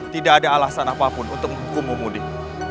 tidak ada alasan apapun untuk menghukummu mudik